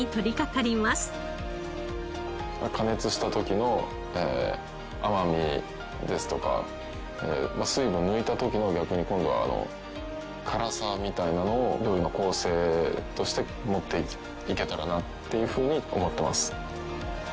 加熱した時の甘みですとか水分抜いた時の逆に今度は辛さみたいなのを料理の構成としてもっていけたらなっていうふうに思ってます。